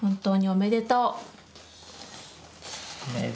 おめでとう。